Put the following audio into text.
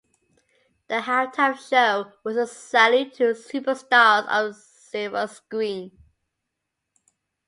The halftime show was a Salute to Superstars of Silver Screen.